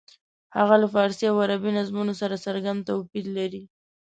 هغه له فارسي او عربي نظمونو سره څرګند توپیر لري.